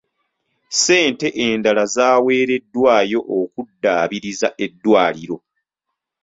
Ssente endala zaaweereddwayo okuddaabiriza eddwaliro.